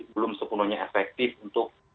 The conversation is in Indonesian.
belum sepenuhnya efektif untuk